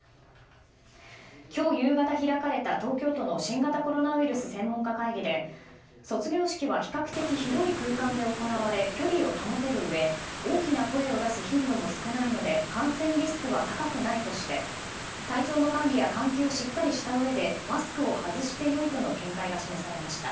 今日夕方開かれた東京都の新型コロナウイルス専門家会議で、卒業式は比較的広い空間で行われ距離を保てるうえ大きな声を出す頻度も少ないので感染リスクは高くないとして体調の管理や換気をしっかりしたうえでマスクを外して良いとの見解が示されました。